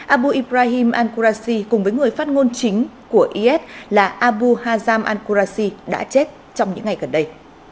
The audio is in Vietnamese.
abu ibrahim al qurasi cùng với người phát ngôn chính của yết là abu hazam al qurasi đã chết trong những ngày gần đây